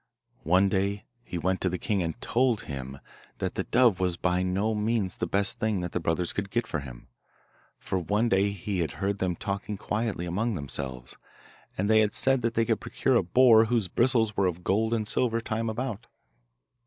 One day he went to the king and told him that the dove was by no means the best thing that the brothers could get for him; for one day he had heard them talking quietly among themselves, and they had said that they could procure a boar whose bristles were of gold and silver time about.